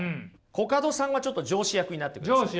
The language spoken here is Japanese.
コカドさんはちょっと上司役になってください。